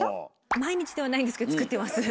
毎日ではないんですけど作ってます。